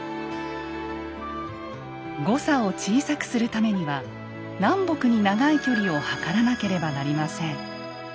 誤差を小さくするためには南北に長い距離を測らなければなりません。